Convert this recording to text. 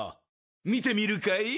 見てみるかい？